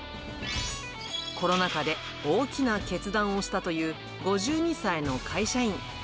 コロナ禍で大きな決断をしたという、５２歳の会社員。